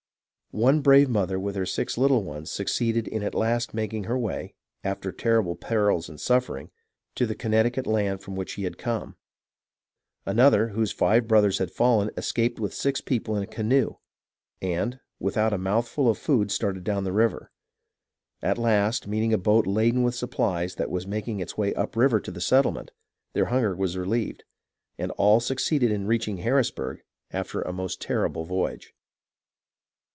One brave mother with her six little ones succeeded in at last making her way, after terrible perils and suffering, to the Connecticut land from which she had come. Another, whose five brothers had fallen, escaped with six people in a canoe, and, without a mouthful of food, started down the river. At last, meeting a boat laden with supplies, that was making its way up the river to the settlement, their hunger was relieved, and all succeeded in reaching Harrisburg after a most terrible voyage.